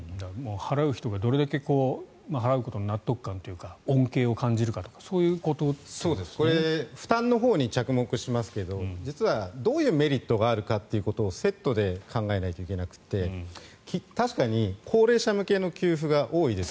払う人がどれだけ払うことの納得感というか恩恵を感じるか負担のほうに着目しますが実はどういうメリットがあるかをセットで考えないといけなくて確かに高齢者向けの給付が多いです。